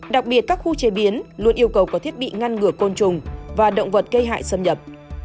đặc biệt các khu chế biến luôn yêu cầu có thiết bị ngăn ngừa côn trùng và động vật gây hại xâm nhập